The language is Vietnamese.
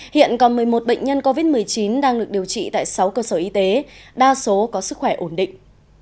hiện còn một mươi một bệnh nhân covid một mươi chín đang được điều trị tại sáu cơ sở y tế đa số có sức khỏe ổn định